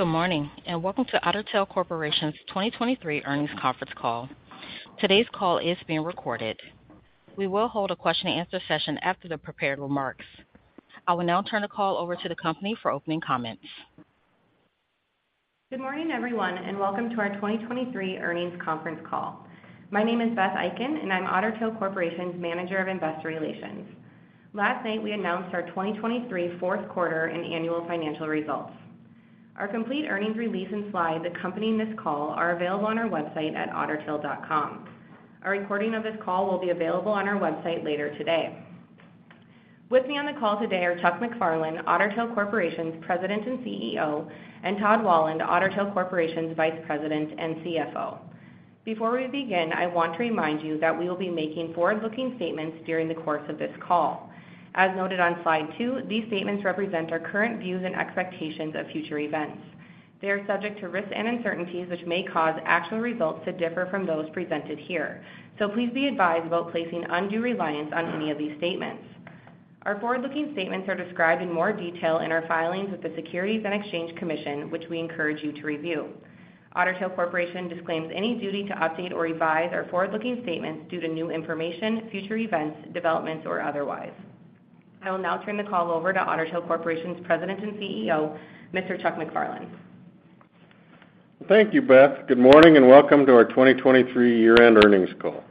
Good morning and welcome to Otter Tail Corporation's 2023 earnings conference call. Today's call is being recorded. We will hold a question-and-answer session after the prepared remarks. I will now turn the call over to the company for opening comments. Good morning, everyone, and welcome to our 2023 earnings conference call. My name is Beth Eiken, and I'm Otter Tail Corporation's Manager of Investor Relations. Last night we announced our 2023 fourth quarter and annual financial results. Our complete earnings release and slides accompanying this call are available on our website at ottertail.com. A recording of this call will be available on our website later today. With me on the call today are Chuck MacFarlane, Otter Tail Corporation's President and CEO, and Todd Wahlund, Otter Tail Corporation's Vice President and CFO. Before we begin, I want to remind you that we will be making forward-looking statements during the course of this call. As noted on slide two, these statements represent our current views and expectations of future events. They are subject to risks and uncertainties which may cause actual results to differ from those presented here, so please be advised about placing undue reliance on any of these statements. Our forward-looking statements are described in more detail in our filings with the Securities and Exchange Commission, which we encourage you to review. Otter Tail Corporation disclaims any duty to update or revise our forward-looking statements due to new information, future events, developments, or otherwise. I will now turn the call over to Otter Tail Corporation's President and CEO, Mr. Chuck MacFarlane. Thank you, Beth. Good morning and welcome to our 2023 year-end earnings call.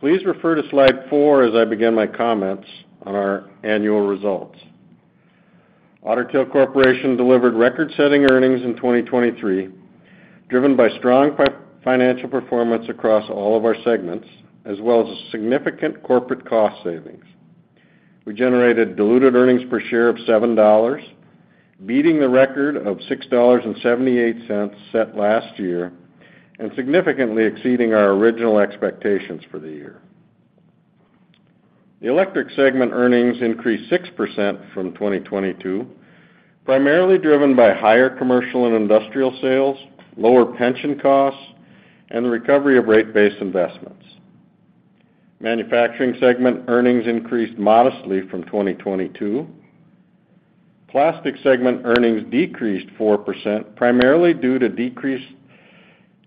Please refer to slide four as I begin my comments on our annual results. Otter Tail Corporation delivered record-setting earnings in 2023, driven by strong financial performance across all of our segments, as well as significant corporate cost savings. We generated diluted earnings per share of $7, beating the record of $6.78 set last year and significantly exceeding our original expectations for the year. The electric segment earnings increased 6% from 2022, primarily driven by higher commercial and industrial sales, lower pension costs, and the recovery of rate base investments. Manufacturing segment earnings increased modestly from 2022. Plastic segment earnings decreased 4%, primarily due to decrease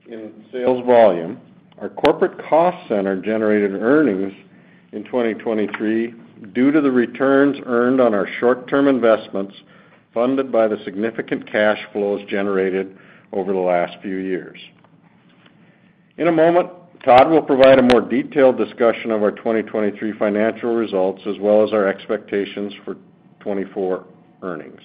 in sales volume. Our corporate cost center generated earnings in 2023 due to the returns earned on our short-term investments funded by the significant cash flows generated over the last few years. In a moment, Todd will provide a more detailed discussion of our 2023 financial results as well as our expectations for 2024 earnings.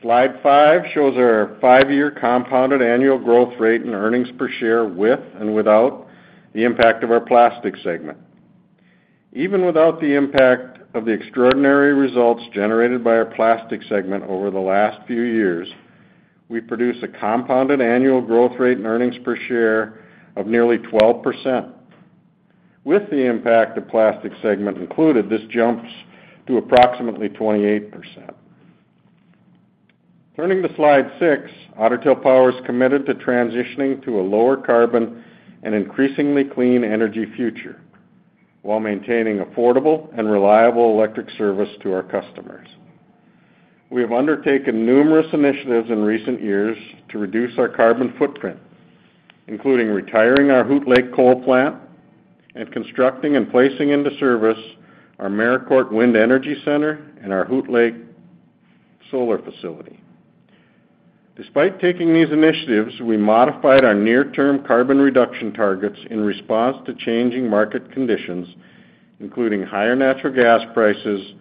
Slide five shows our five-year compounded annual growth rate and earnings per share with and without the impact of our plastic segment. Even without the impact of the extraordinary results generated by our plastic segment over the last few years, we produce a compounded annual growth rate and earnings per share of nearly 12%. With the impact of plastic segment included, this jumps to approximately 28%. Turning to slide six, Otter Tail Power is committed to transitioning to a lower carbon and increasingly clean energy future while maintaining affordable and reliable electric service to our customers. We have undertaken numerous initiatives in recent years to reduce our carbon footprint, including retiring our Hoot Lake Plant and constructing and placing into service our Merricourt Wind Energy Center and our Hoot Lake Solar. Despite taking these initiatives, we modified our near-term carbon reduction targets in response to changing market conditions, including higher natural gas prices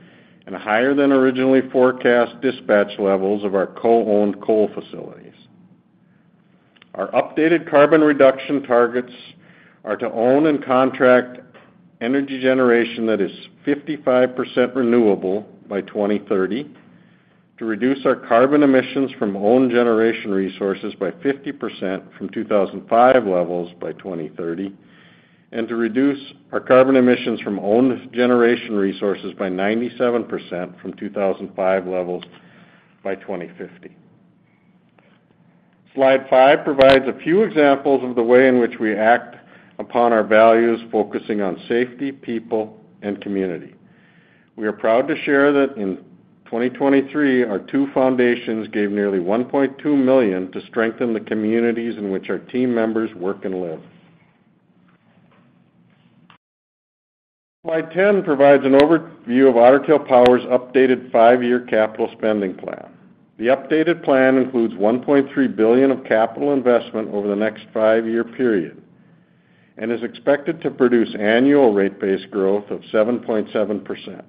and higher than originally forecast dispatch levels of our co-owned coal facilities. Our updated carbon reduction targets are to own and contract energy generation that is 55% renewable by 2030, to reduce our carbon emissions from owned generation resources by 50% from 2005 levels by 2030, and to reduce our carbon emissions from owned generation resources by 97% from 2005 levels by 2050. Slide five provides a few examples of the way in which we act upon our values, focusing on safety, people, and community. We are proud to share that in 2023, our two foundations gave nearly $1.2 million to strengthen the communities in which our team members work and live. Slide ten provides an overview of Otter Tail Power's updated five-year capital spending plan. The updated plan includes $1.3 billion of capital investment over the next five-year period and is expected to produce annual rate base growth of 7.7%.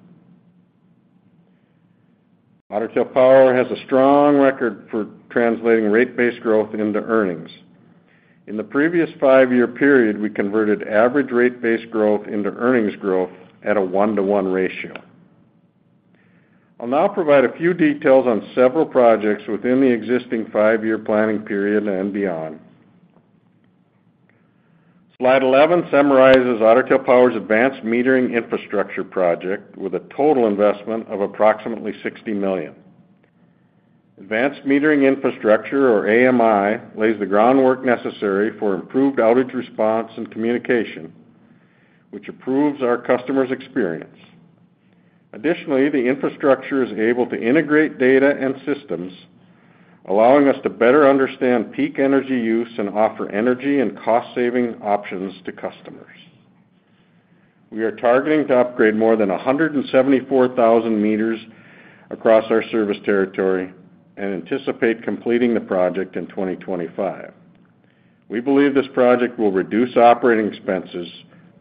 Otter Tail Power has a strong record for translating rate base growth into earnings. In the previous five-year period, we converted average rate base growth into earnings growth at a one-to-one ratio. I'll now provide a few details on several projects within the existing five-year planning period and beyond. Slide eleven summarizes Otter Tail Power's advanced metering infrastructure project with a total investment of approximately $60 million. Advanced metering infrastructure, or AMI, lays the groundwork necessary for improved outage response and communication, which improves our customers' experience. Additionally, the infrastructure is able to integrate data and systems, allowing us to better understand peak energy use and offer energy and cost-saving options to customers. We are targeting to upgrade more than 174,000 meters across our service territory and anticipate completing the project in 2025. We believe this project will reduce operating expenses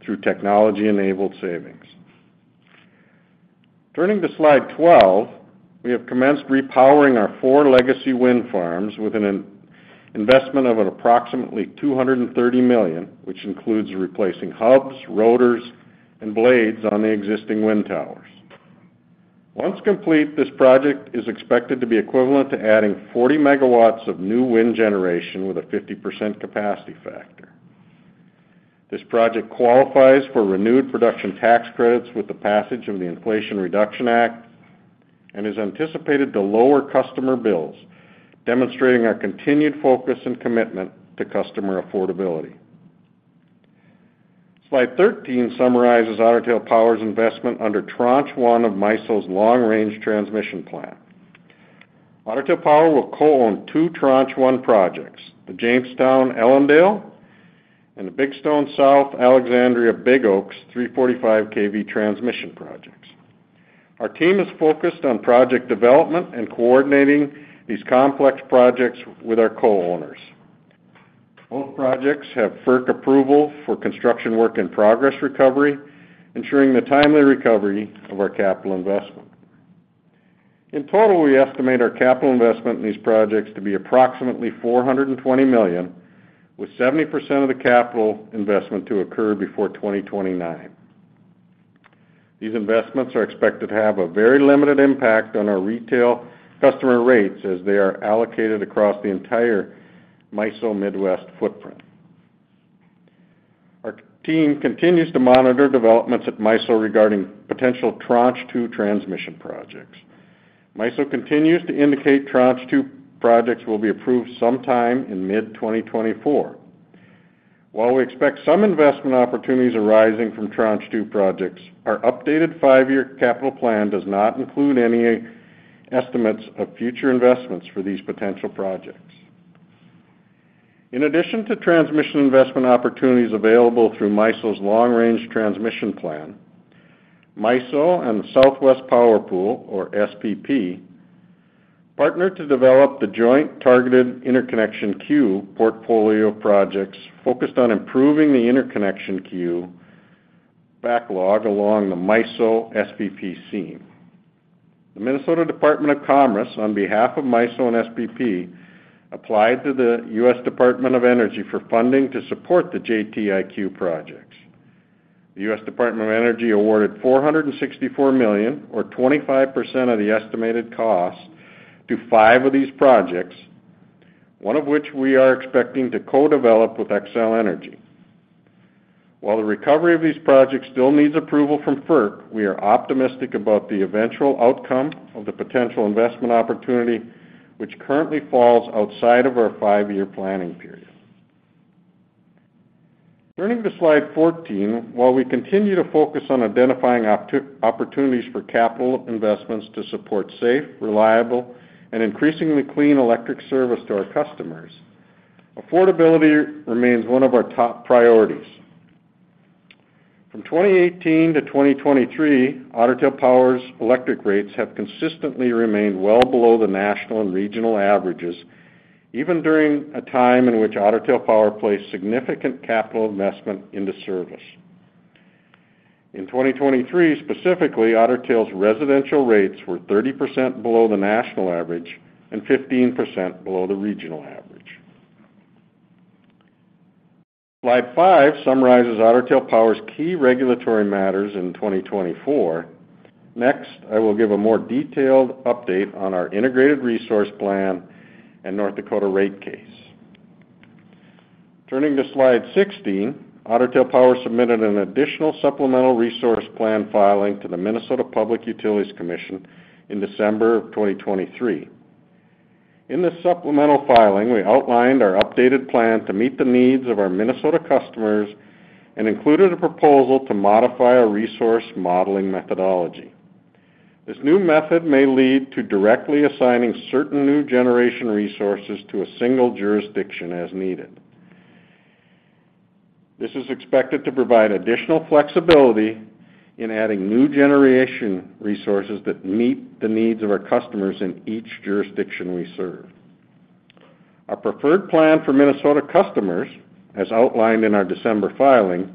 through technology-enabled savings. Turning to slide 12, we have commenced repowering our four legacy wind farms with an investment of approximately $230 million, which includes replacing hubs, rotors, and blades on the existing wind towers. Once complete, this project is expected to be equivalent to adding 40 MW of new wind generation with a 50% capacity factor. This project qualifies for renewed production tax credits with the passage of the Inflation Reduction Act and is anticipated to lower customer bills, demonstrating our continued focus and commitment to customer affordability. Slide 13 summarizes Otter Tail Power's investment under Tranche 1 of MISO's Long-Range Transmission Plan. Otter Tail Power will co-own two Tranche 1 projects: the Jamestown–Ellendale and the Big Stone South–Alexandria–Big Oaks 345 kV transmission projects. Our team is focused on project development and coordinating these complex projects with our co-owners. Both projects have FERC approval for construction work in progress recovery, ensuring the timely recovery of our capital investment. In total, we estimate our capital investment in these projects to be approximately $420 million, with 70% of the capital investment to occur before 2029. These investments are expected to have a very limited impact on our retail customer rates as they are allocated across the entire MISO Midwest footprint. Our team continues to monitor developments at MISO regarding potential Tranche 2 transmission projects. MISO continues to indicate Tranche 2 projects will be approved sometime in mid-2024. While we expect some investment opportunities arising from Tranche 2 projects, our updated five-year capital plan does not include any estimates of future investments for these potential projects. In addition to transmission investment opportunities available through MISO's Long-Range Transmission Plan, MISO and the Southwest Power Pool, or SPP, partnered to develop the Joint Targeted Interconnection Queue portfolio projects focused on improving the interconnection queue backlog along the MISO-SPP seam. The Minnesota Department of Commerce, on behalf of MISO and SPP, applied to the U.S. Department of Energy for funding to support the JTIQ projects. The U.S. Department of Energy awarded $464 million, or 25% of the estimated cost, to five of these projects, one of which we are expecting to co-develop with Xcel Energy. While the recovery of these projects still needs approval from FERC, we are optimistic about the eventual outcome of the potential investment opportunity, which currently falls outside of our five-year planning period. Turning to slide 14, while we continue to focus on identifying opportunities for capital investments to support safe, reliable, and increasingly clean electric service to our customers, affordability remains one of our top priorities. From 2018 to 2023, Otter Tail Power's electric rates have consistently remained well below the national and regional averages, even during a time in which Otter Tail Power placed significant capital investment into service. In 2023, specifically, Otter Tail's residential rates were 30% below the national average and 15% below the regional average. Slide 5 summarizes Otter Tail Power's key regulatory matters in 2024. Next, I will give a more detailed update on our integrated resource plan and North Dakota rate case. Turning to slide 16, Otter Tail Power submitted an additional supplemental resource plan filing to the Minnesota Public Utilities Commission in December of 2023. In this supplemental filing, we outlined our updated plan to meet the needs of our Minnesota customers and included a proposal to modify our resource modeling methodology. This new method may lead to directly assigning certain new generation resources to a single jurisdiction as needed. This is expected to provide additional flexibility in adding new generation resources that meet the needs of our customers in each jurisdiction we serve. Our preferred plan for Minnesota customers, as outlined in our December filing,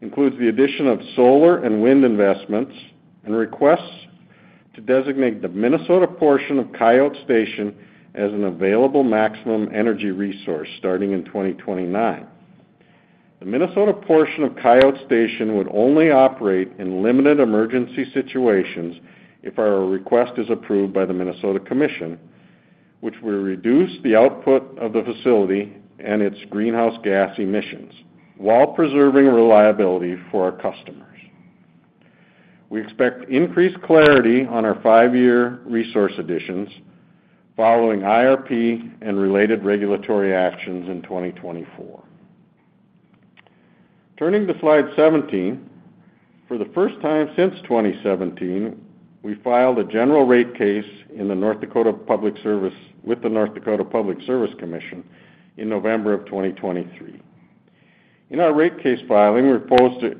includes the addition of solar and wind investments and requests to designate the Minnesota portion of Coyote Station as an available maximum energy resource starting in 2029. The Minnesota portion of Coyote Station would only operate in limited emergency situations if our request is approved by the Minnesota Commission, which would reduce the output of the facility and its greenhouse gas emissions while preserving reliability for our customers. We expect increased clarity on our five-year resource additions following IRP and related regulatory actions in 2024. Turning to slide 17, for the first time since 2017, we filed a general rate case with the North Dakota Public Service Commission in November of 2023. In our rate case filing, we proposed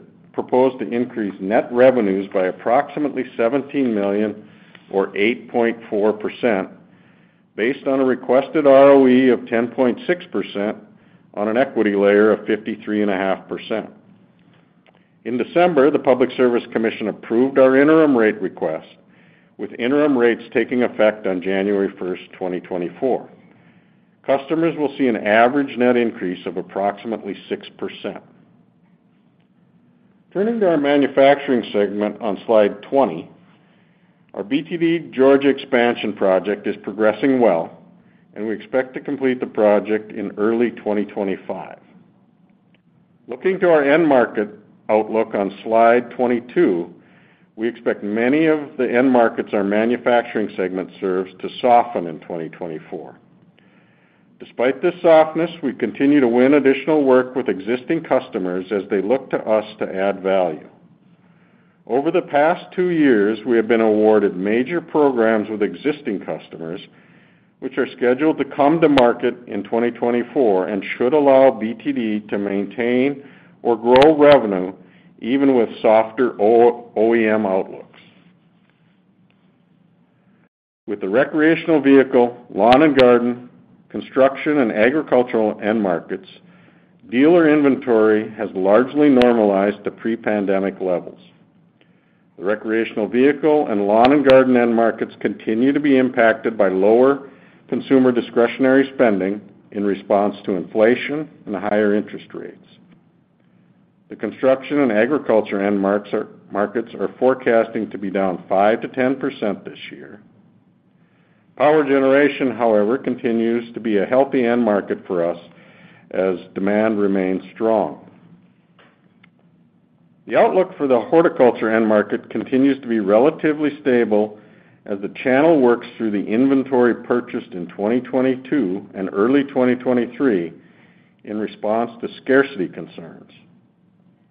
to increase net revenues by approximately $17 million, or 8.4%, based on a requested ROE of 10.6% on an equity layer of 53.5%. In December, the Public Service Commission approved our interim rate request, with interim rates taking effect on January 1st, 2024. Customers will see an average net increase of approximately 6%. Turning to our manufacturing segment on slide 20, our BTD Georgia expansion project is progressing well, and we expect to complete the project in early 2025. Looking to our end market outlook on slide 22, we expect many of the end markets our manufacturing segment serves to soften in 2024. Despite this softness, we continue to win additional work with existing customers as they look to us to add value. Over the past 2 years, we have been awarded major programs with existing customers, which are scheduled to come to market in 2024 and should allow BTD to maintain or grow revenue even with softer OEM outlooks. With the recreational vehicle, lawn and garden construction and agricultural end markets, dealer inventory has largely normalized to pre-pandemic levels. The recreational vehicle and lawn and garden end markets continue to be impacted by lower consumer discretionary spending in response to inflation and higher interest rates. The construction and agriculture end markets are forecasting to be down 5%-10% this year. Power generation, however, continues to be a healthy end market for us as demand remains strong. The outlook for the horticulture end market continues to be relatively stable as the channel works through the inventory purchased in 2022 and early 2023 in response to scarcity concerns.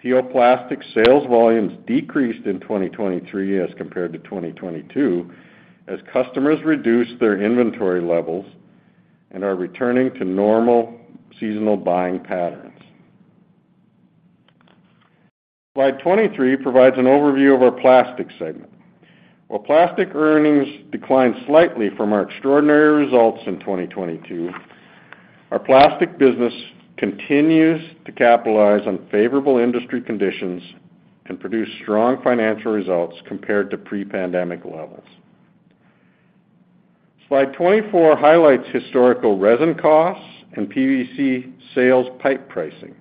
Our plastics sales volumes decreased in 2023 as compared to 2022 as customers reduced their inventory levels and are returning to normal seasonal buying patterns. Slide 23 provides an overview of our plastic segment. While plastic earnings declined slightly from our extraordinary results in 2022, our plastic business continues to capitalize on favorable industry conditions and produce strong financial results compared to pre-pandemic levels. Slide 24 highlights historical resin costs and PVC sales pipe pricing.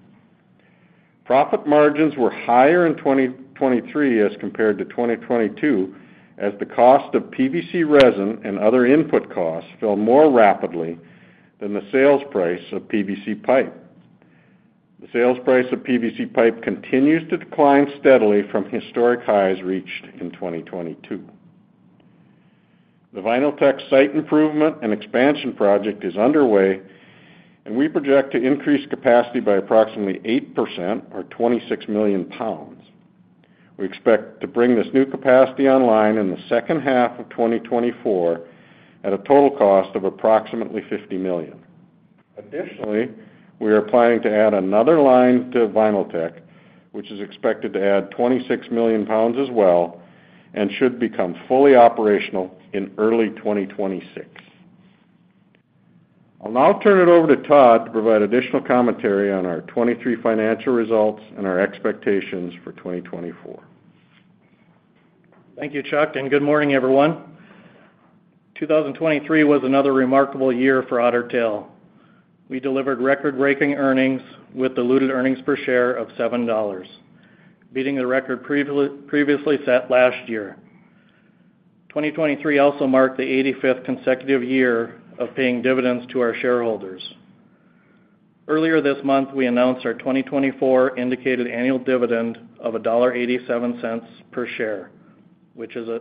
Profit margins were higher in 2023 as compared to 2022 as the cost of PVC resin and other input costs fell more rapidly than the sales price of PVC pipe. The sales price of PVC pipe continues to decline steadily from historic highs reached in 2022. The Vinyltech site improvement and expansion project is underway, and we project to increase capacity by approximately 8%, or 26 million pounds. We expect to bring this new capacity online in the second half of 2024 at a total cost of approximately $50 million. Additionally, we are planning to add another line to Vinyltech, which is expected to add 26 million pounds as well and should become fully operational in early 2026. I'll now turn it over to Todd to provide additional commentary on our 2023 financial results and our expectations for 2024. Thank you, Chuck, and good morning, everyone. 2023 was another remarkable year for Otter Tail. We delivered record-breaking earnings with diluted earnings per share of $7, beating the record previously set last year. 2023 also marked the eighty-fifth consecutive year of paying dividends to our shareholders. Earlier this month, we announced our 2024 indicated annual dividend of $1.87 per share, which is a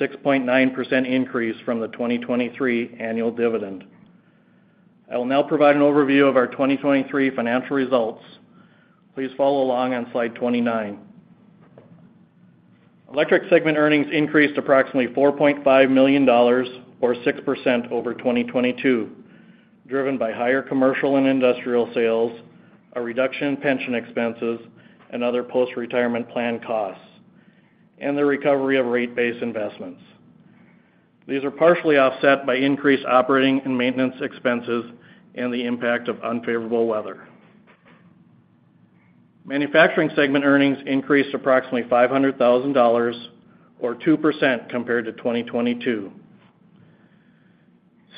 6.9% increase from the 2023 annual dividend. I will now provide an overview of our 2023 financial results. Please follow along on slide 29. Electric segment earnings increased approximately $4.5 million, or 6%, over 2022, driven by higher commercial and industrial sales, a reduction in pension expenses and other post-retirement plan costs, and the recovery of rate base investments. These are partially offset by increased operating and maintenance expenses and the impact of unfavorable weather. Manufacturing segment earnings increased approximately $500,000, or 2%, compared to 2022.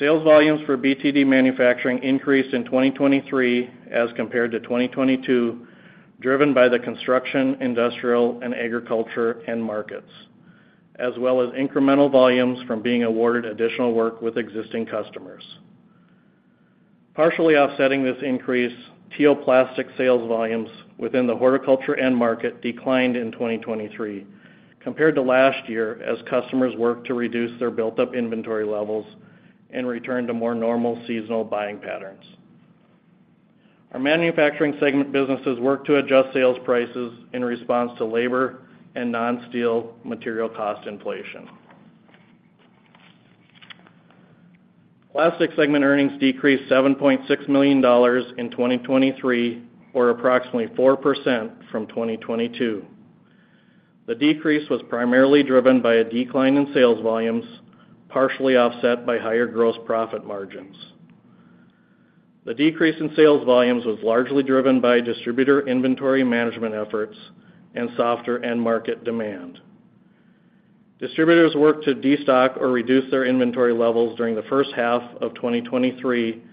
Sales volumes for BTD Manufacturing increased in 2023 as compared to 2022, driven by the construction, industrial, and agriculture end markets, as well as incremental volumes from being awarded additional work with existing customers. Partially offsetting this increase, T.O. Plastics sales volumes within the horticulture end market declined in 2023 compared to last year as customers worked to reduce their built-up inventory levels and return to more normal seasonal buying patterns. Our manufacturing segment businesses worked to adjust sales prices in response to labor and non-steel material cost inflation. Plastic segment earnings decreased $7.6 million in 2023, or approximately 4%, from 2022. The decrease was primarily driven by a decline in sales volumes, partially offset by higher gross profit margins. The decrease in sales volumes was largely driven by distributor inventory management efforts and softer end market demand. Distributors worked to destock or reduce their inventory levels during the first half of 2023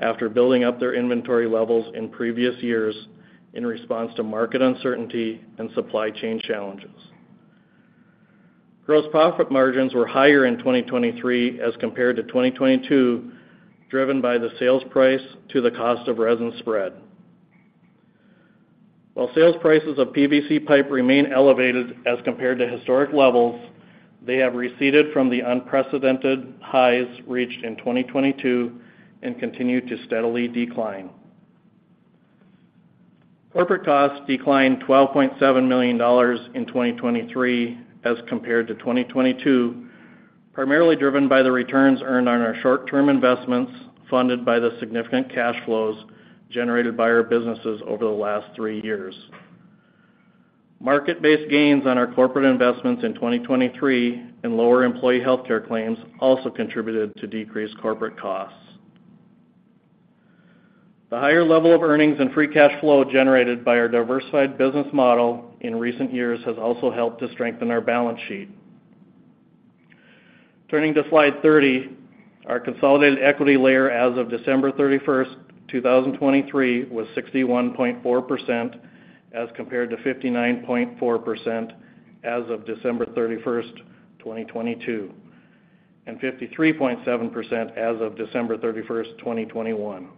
after building up their inventory levels in previous years in response to market uncertainty and supply chain challenges. Gross profit margins were higher in 2023 as compared to 2022, driven by the sales price to the cost of resin spread. While sales prices of PVC pipe remain elevated as compared to historic levels, they have receded from the unprecedented highs reached in 2022 and continue to steadily decline. Corporate costs declined $12.7 million in 2023 as compared to 2022, primarily driven by the returns earned on our short-term investments funded by the significant cash flows generated by our businesses over the last 3 years. Market-based gains on our corporate investments in 2023 and lower employee healthcare claims also contributed to decreased corporate costs. The higher level of earnings and free cash flow generated by our diversified business model in recent years has also helped to strengthen our balance sheet. Turning to slide 30, our consolidated equity layer as of December 31, 2023 was 61.4% as compared to 59.4% as of December 31, 2022, and 53.7% as of December 31, 2021.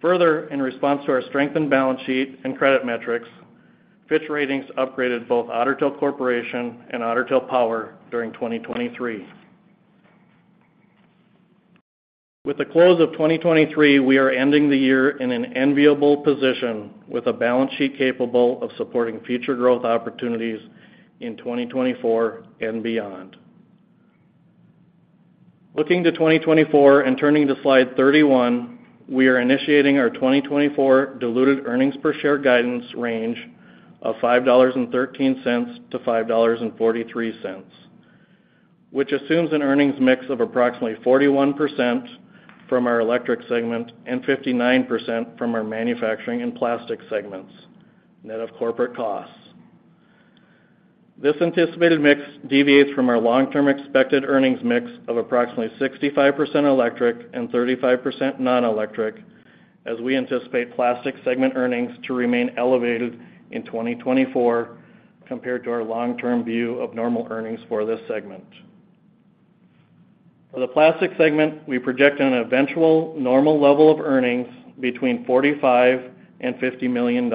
Further, in response to our strengthened balance sheet and credit metrics, Fitch Ratings upgraded both Otter Tail Corporation and Otter Tail Power during 2023. With the close of 2023, we are ending the year in an enviable position with a balance sheet capable of supporting future growth opportunities in 2024 and beyond. Looking to 2024 and turning to slide 31, we are initiating our 2024 diluted earnings per share guidance range of $5.13-$5.43, which assumes an earnings mix of approximately 41% from our electric segment and 59% from our manufacturing and plastic segments, net of corporate costs. This anticipated mix deviates from our long-term expected earnings mix of approximately 65% electric and 35% non-electric, as we anticipate plastic segment earnings to remain elevated in 2024 compared to our long-term view of normal earnings for this segment. For the Plastics segment, we project an eventual normal level of earnings between $45-$50 million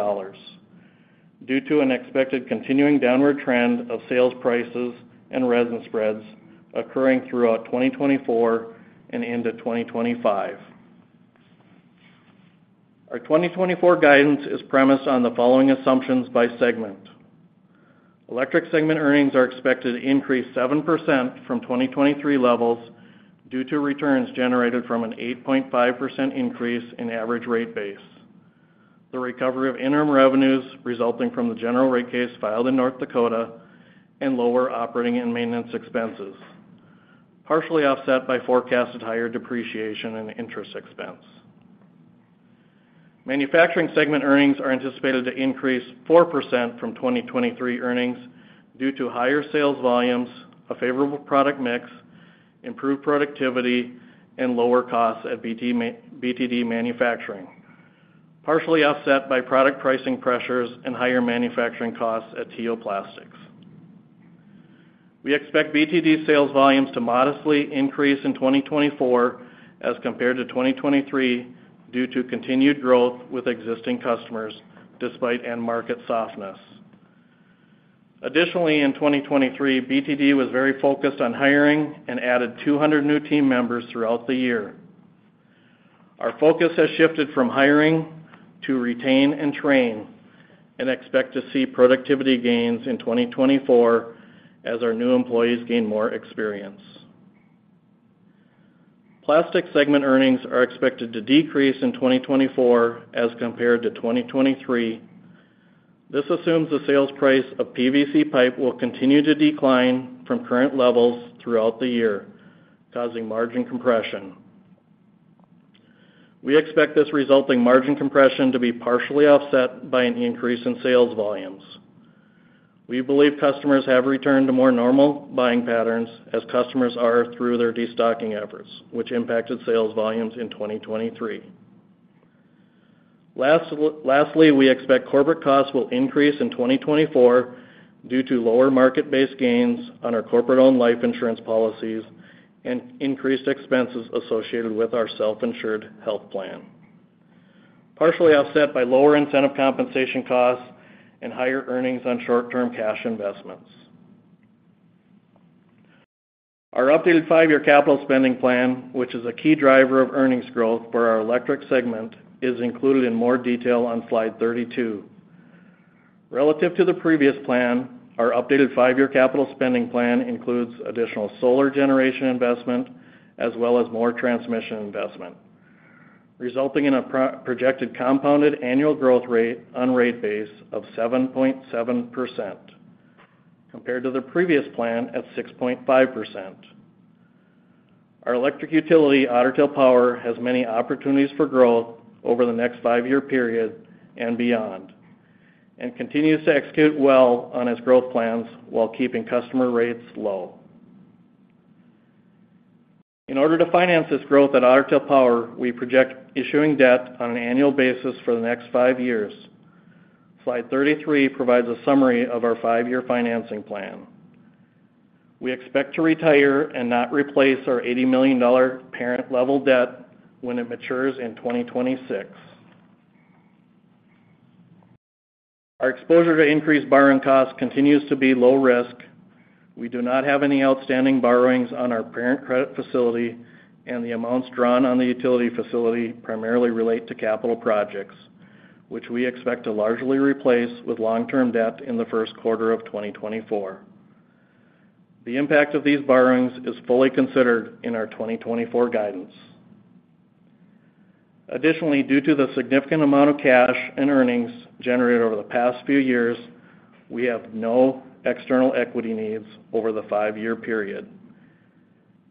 due to an expected continuing downward trend of sales prices and resin spreads occurring throughout 2024 and into 2025. Our 2024 guidance is premised on the following assumptions by segment: Electric segment earnings are expected to increase 7% from 2023 levels due to returns generated from an 8.5% increase in average rate base, the recovery of interim revenues resulting from the general rate case filed in North Dakota, and lower operating and maintenance expenses, partially offset by forecasted higher depreciation and interest expense. Manufacturing segment earnings are anticipated to increase 4% from 2023 earnings due to higher sales volumes, a favorable product mix, improved productivity, and lower costs at BTD Manufacturing, partially offset by product pricing pressures and higher manufacturing costs at T.O. Plastics. We expect BTD sales volumes to modestly increase in 2024 as compared to 2023 due to continued growth with existing customers despite end market softness. Additionally, in 2023, BTD was very focused on hiring and added 200 new team members throughout the year. Our focus has shifted from hiring to retain and train and expect to see productivity gains in 2024 as our new employees gain more experience. Plastic segment earnings are expected to decrease in 2024 as compared to 2023. This assumes the sales price of PVC pipe will continue to decline from current levels throughout the year, causing margin compression. We expect this resulting margin compression to be partially offset by an increase in sales volumes. We believe customers have returned to more normal buying patterns as customers are through their destocking efforts, which impacted sales volumes in 2023. Lastly, we expect corporate costs will increase in 2024 due to lower market-based gains on our corporate-owned life insurance policies and increased expenses associated with our self-insured health plan, partially offset by lower incentive compensation costs and higher earnings on short-term cash investments. Our updated five-year capital spending plan, which is a key driver of earnings growth for our electric segment, is included in more detail on slide 32. Relative to the previous plan, our updated five-year capital spending plan includes additional solar generation investment as well as more transmission investment, resulting in a projected compounded annual growth rate on rate base of 7.7% compared to the previous plan at 6.5%. Our electric utility, Otter Tail Power, has many opportunities for growth over the next five-year period and beyond and continues to execute well on its growth plans while keeping customer rates low. In order to finance this growth at Otter Tail Power, we project issuing debt on an annual basis for the next five years. Slide 33 provides a summary of our 5-year financing plan. We expect to retire and not replace our $80 million parent-level debt when it matures in 2026. Our exposure to increased borrowing costs continues to be low risk. We do not have any outstanding borrowings on our parent credit facility, and the amounts drawn on the utility facility primarily relate to capital projects, which we expect to largely replace with long-term debt in the first quarter of 2024. The impact of these borrowings is fully considered in our 2024 guidance. Additionally, due to the significant amount of cash and earnings generated over the past few years, we have no external equity needs over the five-year period,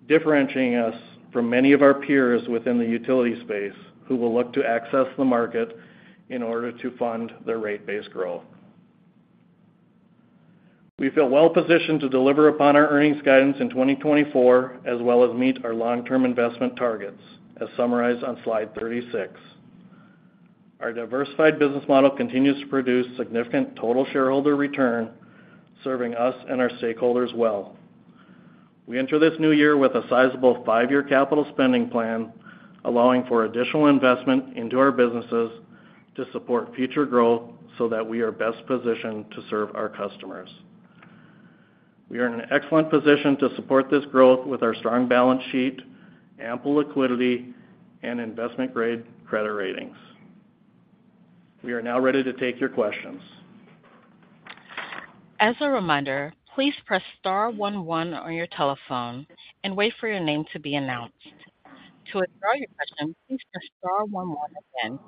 differentiating us from many of our peers within the utility space who will look to access the market in order to fund their rate base growth. We feel well positioned to deliver upon our earnings guidance in 2024 as well as meet our long-term investment targets, as summarized on slide 36. Our diversified business model continues to produce significant total shareholder return, serving us and our stakeholders well. We enter this new year with a sizable five-year capital spending plan, allowing for additional investment into our businesses to support future growth so that we are best positioned to serve our customers. We are in an excellent position to support this growth with our strong balance sheet, ample liquidity, and investment-grade credit ratings. We are now ready to take your questions. As a reminder, please press star one one on your telephone and wait for your name to be announced. To withdraw your question, please press star one one again.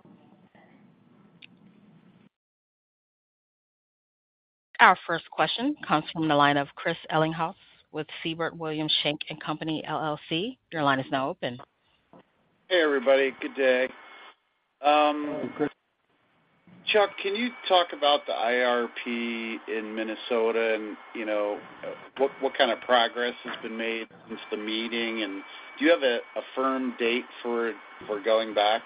Our first question comes from the line of Chris Ellinghaus with Siebert Williams Shank & Co., LLC. Your line is now open. Hey, everybody. Good day. Hey, Chris. Chuck, can you talk about the IRP in Minnesota and, you know, what kind of progress has been made since the meeting? And do you have a firm date for going back?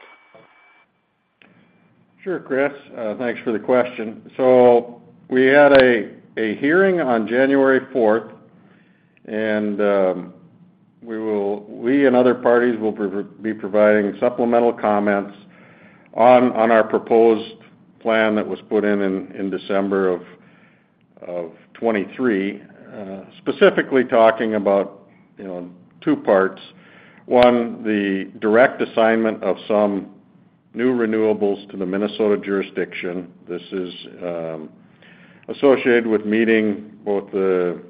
Sure, Chris. Thanks for the question. So we had a hearing on January fourth, and we and other parties will be providing supplemental comments on our proposed plan that was put in December of 2023, specifically talking about, you know, two parts. One, the direct assignment of some new renewables to the Minnesota jurisdiction. This is associated with meeting both the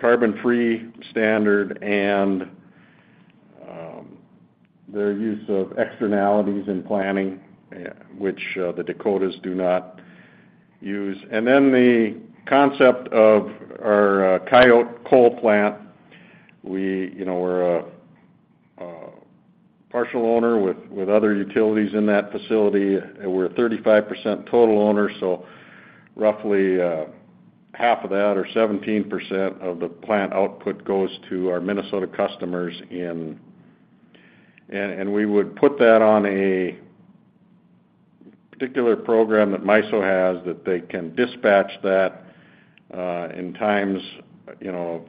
carbon-free standard and their use of externalities in planning, which the Dakotas do not use. And then the concept of our Coyote coal plant. We, you know, we're a partial owner with other utilities in that facility. We're a 35% total owner, so roughly half of that or 17% of the plant output goes to our Minnesota customers, and we would put that on a particular program that MISO has that they can dispatch that in times of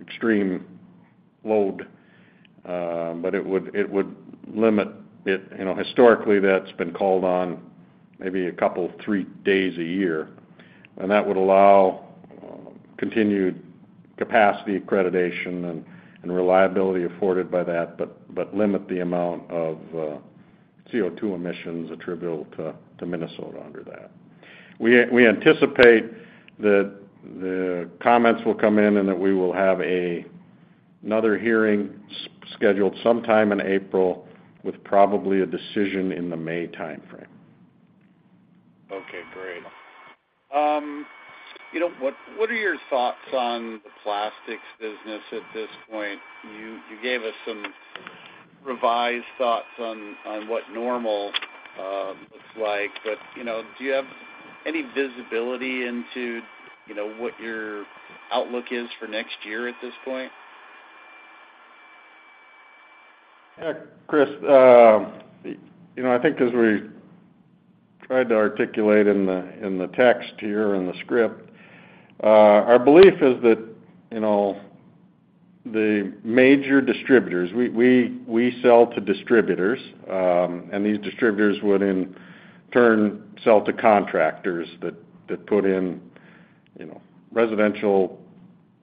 extreme load. But it would limit it. You know, historically, that's been called on maybe a couple, three days a year. And that would allow continued capacity accreditation and reliability afforded by that, but limit the amount of CO2 emissions attributable to Minnesota under that. We anticipate that the comments will come in and that we will have another hearing scheduled sometime in April with probably a decision in the May timeframe. Okay, great. You know, what are your thoughts on the plastics business at this point? You gave us some revised thoughts on what normal looks like, but do you have any visibility into what your outlook is for next year at this point? Yeah, Chris. You know, I think as we tried to articulate in the text here and the script, our belief is that, you know, the major distributors we sell to distributors, and these distributors would in turn sell to contractors that put in, you know, residential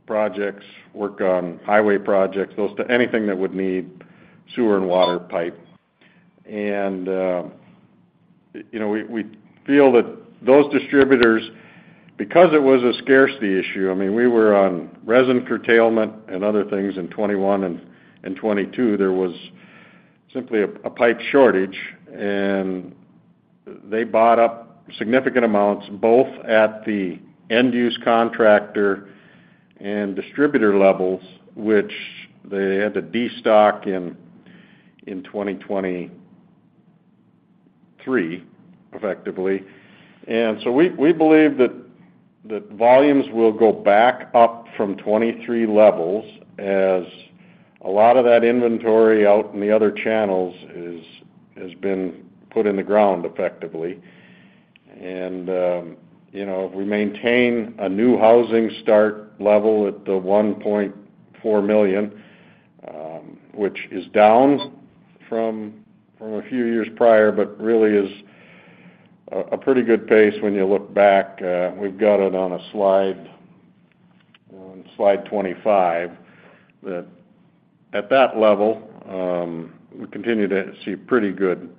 projects, work on highway projects, anything that would need sewer and water pipe. And, you know, we feel that those distributors, because it was a scarcity issue. I mean, we were on resin curtailment and other things in 2021 and 2022. There was simply a pipe shortage, and they bought up significant amounts both at the end-use contractor and distributor levels, which they had to destock in 2023, effectively. And so we believe that volumes will go back up from 2023 levels as a lot of that inventory out in the other channels has been put in the ground, effectively. You know, if we maintain a new housing start level at the 1.4 million, which is down from a few years prior but really is a pretty good pace when you look back, we've got it on slide 25 that at that level, we continue to see pretty good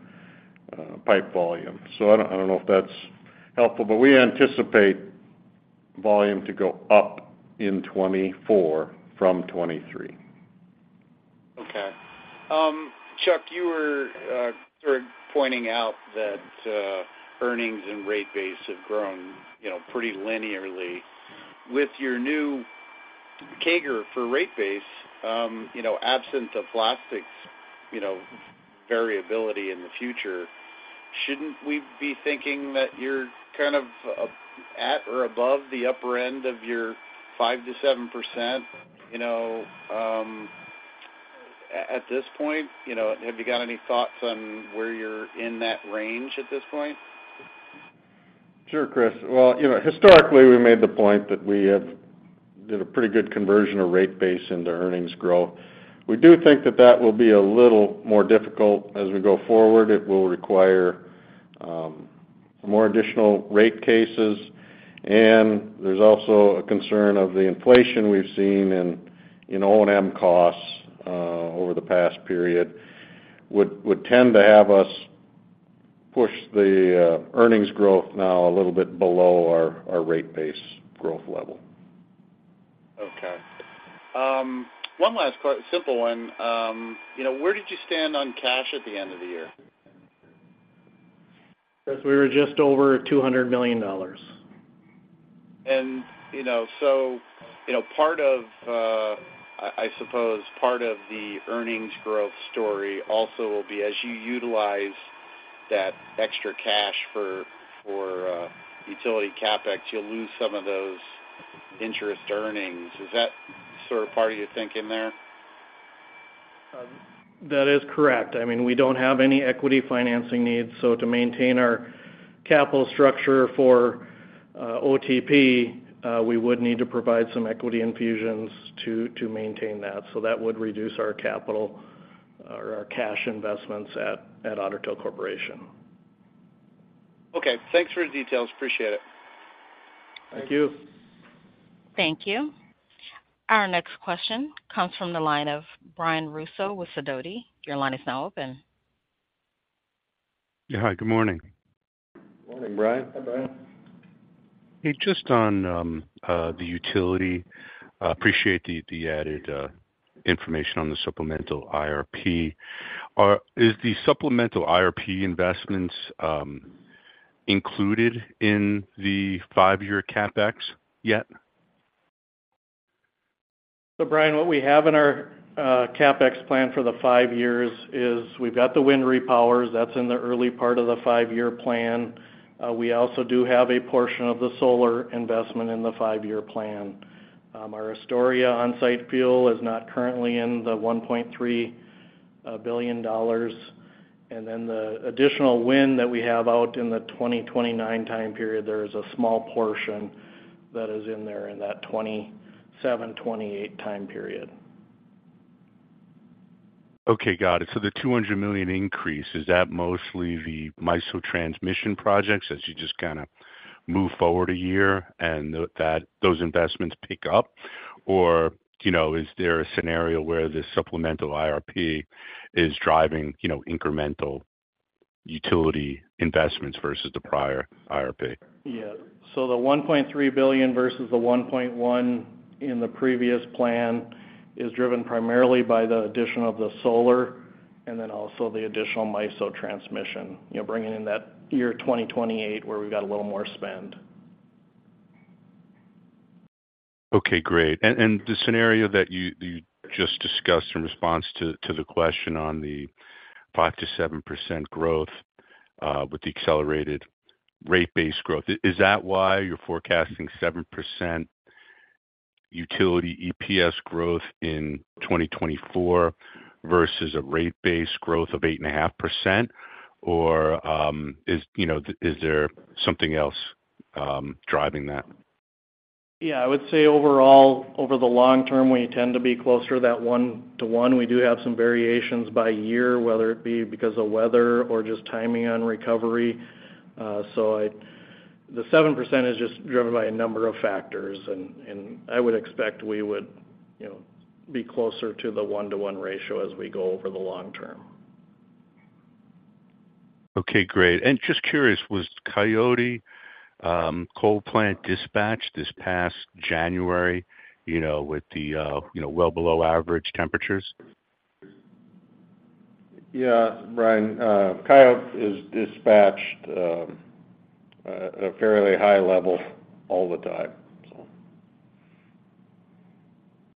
pipe volume. So I don't know if that's helpful, but we anticipate volume to go up in 2024 from 2023. Okay. Chuck, you were sort of pointing out that earnings and rate base have grown pretty linearly. With your new CAGR for rate base, you know, absent the plastics variability in the future, shouldn't we be thinking that you're kind of at or above the upper end of your 5%-7%? You know, at this point, have you got any thoughts on where you're in that range at this point? Sure, Chris. Well, you know, historically, we made the point that we have did a pretty good conversion of rate base into earnings growth. We do think that that will be a little more difficult as we go forward. It will require some more additional rate cases. And there's also a concern of the inflation we've seen in O&M costs over the past period would tend to have us push the earnings growth now a little bit below our rate base growth level. Okay. One last simple one. You know, where did you stand on cash at the end of the year? Chris, we were just over $200 million. You know, so part of, I suppose, part of the earnings growth story also will be as you utilize that extra cash for utility CapEx, you'll lose some of those interest earnings. Is that sort of part of your thinking there? That is correct. I mean, we don't have any equity financing needs. So to maintain our capital structure for OTP, we would need to provide some equity infusions to maintain that. So that would reduce our capital or our cash investments at Otter Tail Corporation. Okay. Thanks for the details. Appreciate it. Thank you. Thank you. Our next question comes from the line of Brian Russo with Sidoti. Your line is now open. Yeah, hi. Good morning. Morning, Brian. Hi, Brian Hey, just on the utility, I appreciate the added information on the supplemental IRP. Is the supplemental IRP investments included in the five-year CapEx yet? So, Brian, what we have in our CapEx plan for the five years is we've got the wind repowers. That's in the early part of the five-year plan. We also do have a portion of the solar investment in the five-year plan. Our Astoria on-site fuel is not currently in the $1.3 billion. And then the additional wind that we have out in the 2029 time period, there is a small portion that is in there in that 2027, 2028 time period. Okay, got it. So the $200 million increase, is that mostly the MISO transmission projects as you just kind of move forward a year and those investments pick up? Or is there a scenario where this supplemental IRP is driving incremental utility investments versus the prior IRP? Yeah. So the $1.3 billion versus the $1.1 billion in the previous plan is driven primarily by the addition of the solar and then also the additional MISO transmission, bringing in that year 2028 where we've got a little more spend. Okay, great. And the scenario that you just discussed in response to the question on the 5%-7% growth with the accelerated rate base growth, is that why you're forecasting 7% utility EPS growth in 2024 versus a rate base growth of 8.5%? Or is there something else driving that? Yeah, I would say overall, over the long term, we tend to be closer to that 1-to-1. We do have some variations by year, whether it be because of weather or just timing on recovery. So the 7% is just driven by a number of factors. And I would expect we would be closer to the 1-to-1 ratio as we go over the long term. Okay, great. And just curious, was Coyote coal plant dispatched this past January with the well below average temperatures? Yeah, Brian. Coyote is dispatched at a fairly high level all the time, so.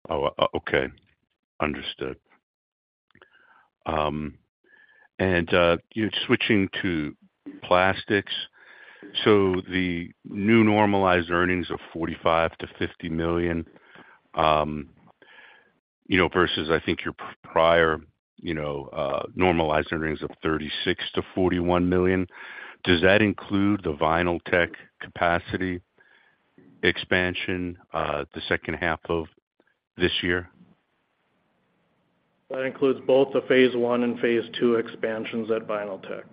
Oh, okay. Understood. And switching to plastics, so the new normalized earnings of $45 million-$50 million versus I think your prior normalized earnings of $36 million-$41 million, does that include the Vinyltech capacity expansion the second half of this year? That includes both the phase one and phase two expansions at Vinyltech.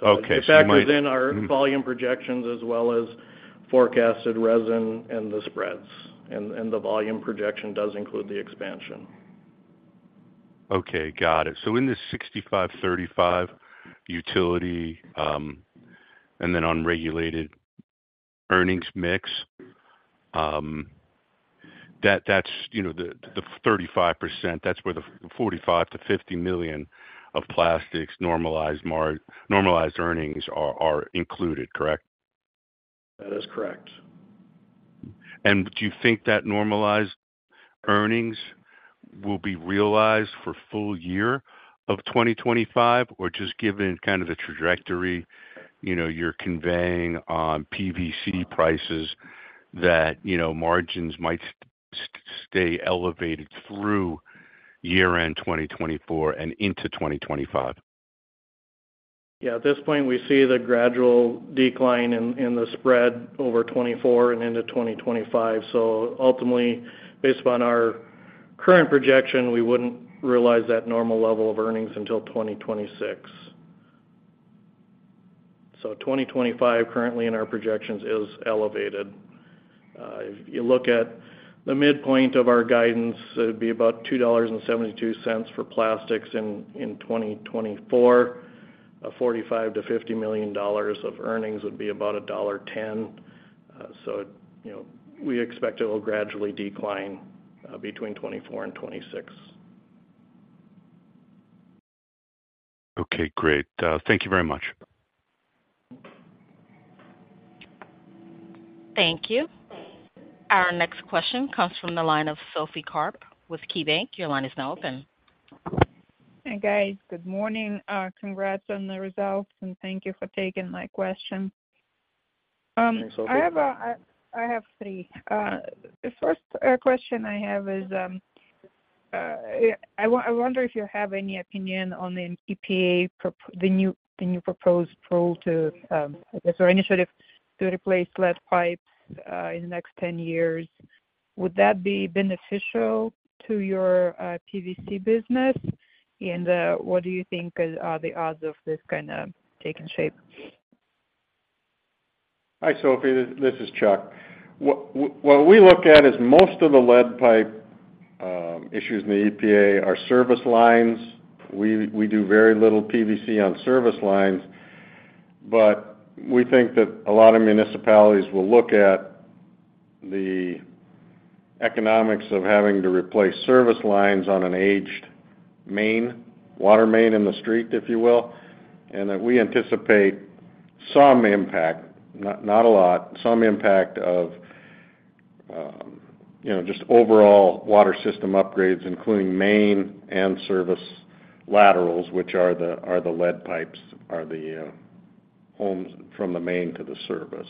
So it's back within our volume projections as well as forecasted resin and the spreads. And the volume projection does include the expansion. Okay, got it. So in this 65-35 utility and then unregulated earnings mix, that's the 35%, that's where the $45 million-$50 million of plastics normalized earnings are included, correct? That is correct. Do you think that normalized earnings will be realized for full year of 2025 or just given kind of the trajectory you're conveying on PVC prices that margins might stay elevated through year-end 2024 and into 2025? Yeah, at this point, we see the gradual decline in the spread over 2024 and into 2025. So ultimately, based upon our current projection, we wouldn't realize that normal level of earnings until 2026. So 2025 currently in our projections is elevated. If you look at the midpoint of our guidance, it would be about $2.72 for plastics in 2024. A $45 million-$50 million of earnings would be about $1.10. So we expect it will gradually decline between 2024 and 2026. Okay, great. Thank you very much. Thank you. Our next question comes from the line of Sophie Karp with KeyBanc. Your line is now open. Hey, guys. Good morning. Congrats on the results, and thank you for taking my question. I have three. The first question I have is I wonder if you have any opinion on the new proposed rule to I guess, or initiative to replace lead pipes in the next 10 years. Would that be beneficial to your PVC business? And what do you think are the odds of this kind of taking shape? Hi, Sophie. This is Chuck. What we look at is most of the lead pipe issues in the EPA are service lines. We do very little PVC on service lines. But we think that a lot of municipalities will look at the economics of having to replace service lines on an aged main water main in the street, if you will, and that we anticipate some impact not a lot, some impact of just overall water system upgrades, including main and service laterals, which are the lead pipes, are the homes from the main to the service.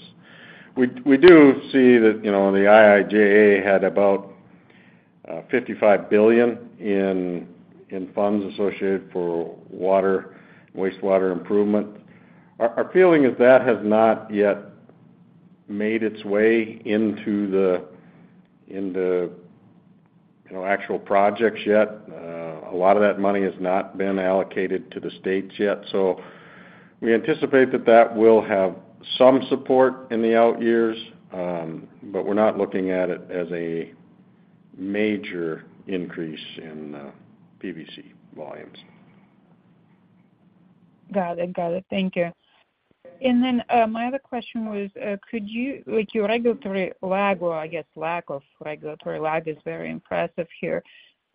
We do see that the IIJA had about $55 billion in funds associated for wastewater improvement. Our feeling is that has not yet made its way into actual projects yet. A lot of that money has not been allocated to the states yet. So we anticipate that that will have some support in the out years, but we're not looking at it as a major increase in PVC volumes. Got it. Got it. Thank you. And then my other question was, could you [tell us about] your regulatory lag, or I guess lack of regulatory lag is very impressive here.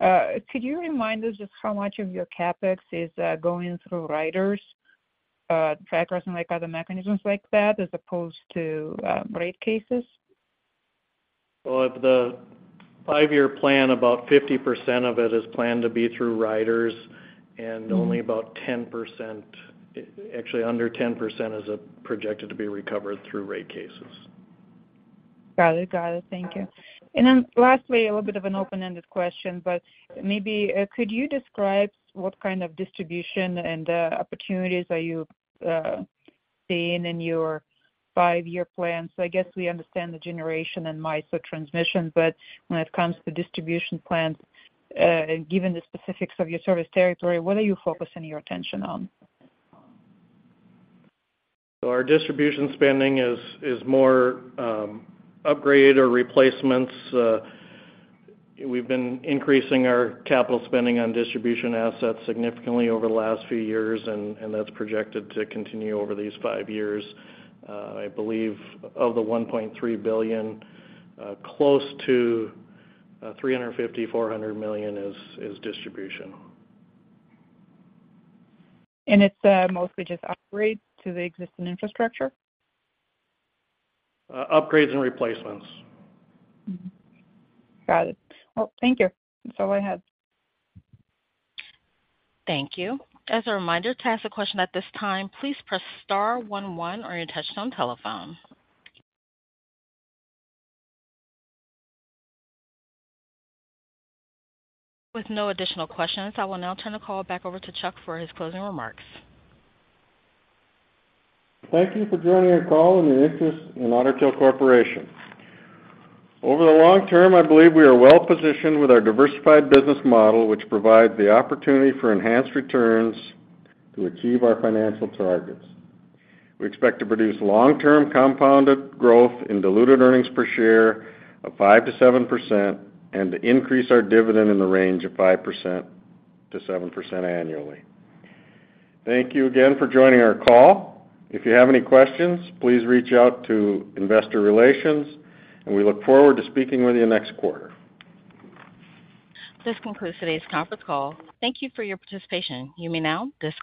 Could you remind us just how much of your CapEx is going through riders, trackers, and other mechanisms like that as opposed to rate cases? Well, if the five-year plan, about 50% of it is planned to be through riders, and only about 10% actually, under 10% is projected to be recovered through rate cases. Got it. Got it. Thank you. And then lastly, a little bit of an open-ended question, but maybe could you describe what kind of distribution and opportunities are you seeing in your five-year plan? So I guess we understand the generation and MISO transmission, but when it comes to distribution plans, given the specifics of your service territory, what are you focusing your attention on? Our distribution spending is more upgrade or replacements. We've been increasing our capital spending on distribution assets significantly over the last few years, and that's projected to continue over these five years. I believe of the $1.3 billion, close to $350-$400 million is distribution. And it's mostly just upgrades to the existing infrastructure? Upgrades and replacements. Got it. Well, thank you. That's all I had. Thank you. As a reminder, to ask the question at this time, please press star one one or your touch-tone telephone. With no additional questions, I will now turn the call back over to Chuck for his closing remarks. Thank you for joining our call and your interest in Otter Tail Corporation. Over the long term, I believe we are well positioned with our diversified business model, which provides the opportunity for enhanced returns to achieve our financial targets. We expect to produce long-term compounded growth in diluted earnings per share of 5%-7% and to increase our dividend in the range of 5%-7% annually. Thank you again for joining our call. If you have any questions, please reach out to investor relations, and we look forward to speaking with you next quarter. This concludes today's conference call. Thank you for your participation. You may now disconnect.